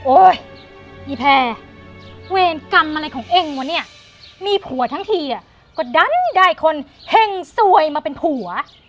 อีแพรเวรกรรมอะไรของเองวะเนี่ยมีผัวทั้งทีอ่ะก็ดันได้คนเห็งสวยมาเป็นผัว